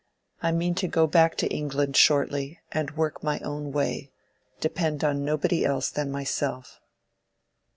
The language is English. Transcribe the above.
I mean to go back to England shortly and work my own way—depend on nobody else than myself."